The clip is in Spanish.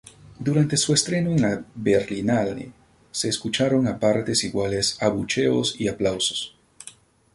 Durante su estreno en la Berlinale se escucharon a partes iguales abucheos y aplausos.